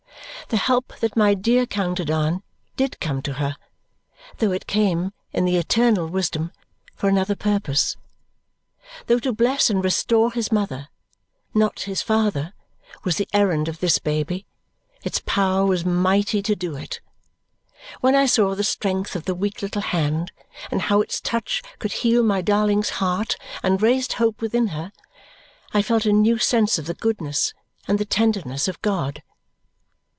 The help that my dear counted on did come to her, though it came, in the eternal wisdom, for another purpose. Though to bless and restore his mother, not his father, was the errand of this baby, its power was mighty to do it. When I saw the strength of the weak little hand and how its touch could heal my darling's heart and raised hope within her, I felt a new sense of the goodness and the tenderness of God.